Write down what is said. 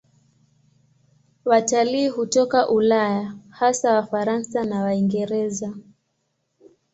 Watalii hutoka Ulaya, hasa Wafaransa na Waingereza.